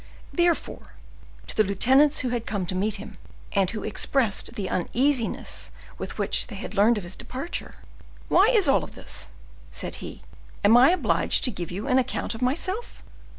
Therefore, to the lieutenants who had come to meet him, and who expressed the uneasiness with which they had learnt his departure,— "Why is all this?" said he; "am I obliged to give you an account of myself?"